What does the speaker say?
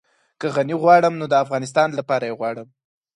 که غني غواړم نو د افغانستان لپاره يې غواړم.